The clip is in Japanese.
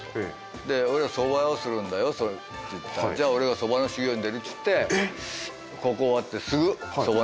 で俺が「そば屋をするんだよ」って言ったら「じゃあ俺がそばの修業に出る」っつって高校終わってすぐそばの修業に出てくれたの。